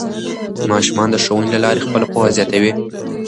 ماشومان د ښوونې له لارې خپله پوهه زیاتوي